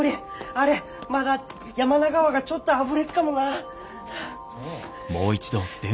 あれまだ山名川がちょっとあふれっかもな。